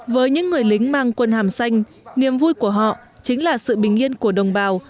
với những người lính mang quân hàm xanh niềm vui của họ chính là sự bình yên của đồng bào